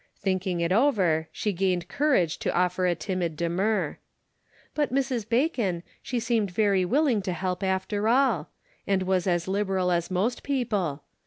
Think ing it over, she gained courage to offer a timid demur. " But Mrs. Bacon, she seemed very willing to help, after all ; and was as liberal as most peo ple.